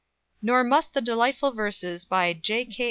Nor must the delightful verses by "J.